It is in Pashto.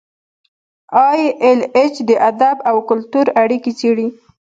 ای ایل ایچ د ادب او کلتور اړیکې څیړي.